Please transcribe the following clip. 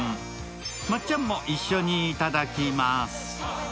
まっちゃんも一緒にいただきます。